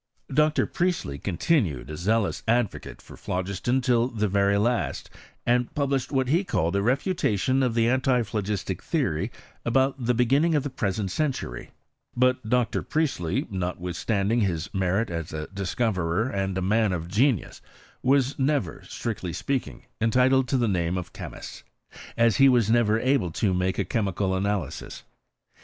. Dr. Priestley continued a zealous advocate for phl(^iston till the very last, and published what he called a refutation of the antiphlogistic theory about the beginning of the present century : but Dr. Priestley, notwithstanding his merit as a discoverer and a man of genius, was never, strictly speakings entitled to the name of chemist; as he was never aUe to make a chemical analysis.